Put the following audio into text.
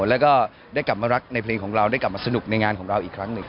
แล้วก็ได้กลับมารักในเพลงของเราได้กลับมาสนุกในงานของเราอีกครั้งหนึ่ง